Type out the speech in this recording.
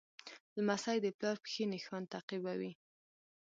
لمسی د پلار پښې نښان تعقیبوي.